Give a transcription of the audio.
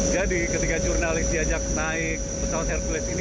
jadi ketika jurnalis diajak naik pesawat hercules ini